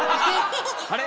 あれ？